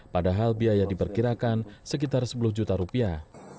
padahal biaya diperkirakan sekitar sepuluh juta rupiah